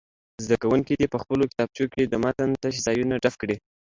زده کوونکي دې په خپلو کتابچو کې د متن تش ځایونه ډک کړي.